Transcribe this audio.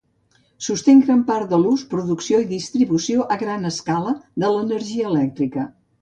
Sostén gran part de l'ús, producció i distribució a gran escala de l'energia elèctrica.